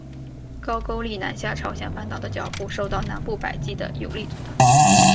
高句丽南下朝鲜半岛的脚步受到南部百济的有力阻挡。